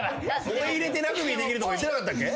俺入れてラグビーできるとか言ってなかったっけ？